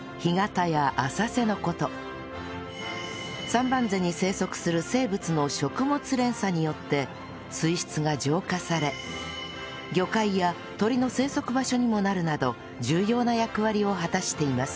三番瀬に生息する生物の食物連鎖によって水質が浄化され魚介や鳥の生息場所にもなるなど重要な役割を果たしています